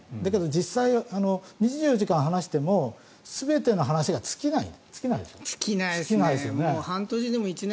実際、２４時間話しても全ての話が尽きない。